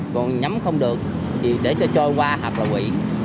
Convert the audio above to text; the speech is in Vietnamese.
còn nhắm không được thì để cho trôi qua hoặc là quỷ